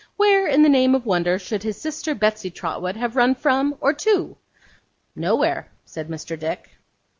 Where, in the name of wonder, should his sister, Betsey Trotwood, have run from, or to?' 'Nowhere,' said Mr. Dick.